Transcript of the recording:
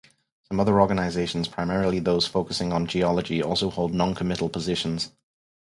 Some other organizations, primarily those focusing on geology, also hold non-committal positions.